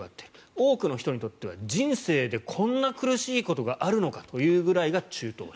多くの人にとっては人生でこんな苦しいことがあるのかというぐらいが中等症。